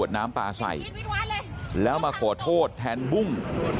ขวดน้ำปลาใส่มาขอโทษแทนบุ้ง